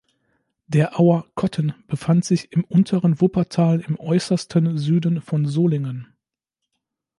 Der Auer Kotten befand sich im Unteren Wuppertal im äußersten Süden von Solingen.